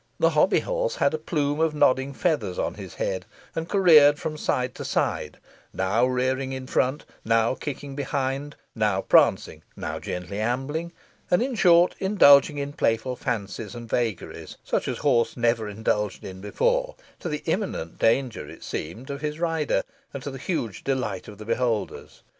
The hobby horse had a plume of nodding feathers on his head, and careered from side to side, now rearing in front, now kicking behind, now prancing, now gently ambling, and in short indulging in playful fancies and vagaries, such as horse never indulged in before, to the imminent danger, it seemed, of his rider, and to the huge delight of the beholders.